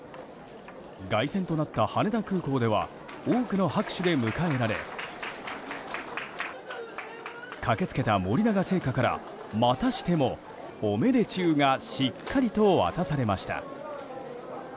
凱旋となった羽田空港では多くの拍手で迎えられ駆け付けた森永製菓からまたしてもオメデチュウがしっかりと渡されました。